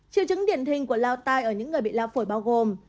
triệu chứng điển hình của lao tai ở những người bị lao phổi bao gồm